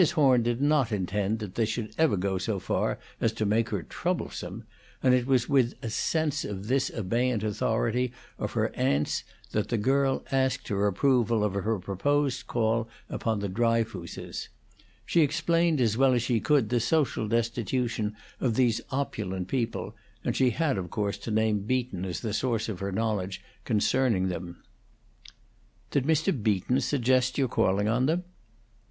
Horn did not intend that they should ever go so far as to make her troublesome; and it was with a sense of this abeyant authority of her aunt's that the girl asked her approval of her proposed call upon the Dryfooses. She explained as well as she could the social destitution of these opulent people, and she had of course to name Beaton as the source of her knowledge concerning them. "Did Mr. Beaton suggest your calling on them?"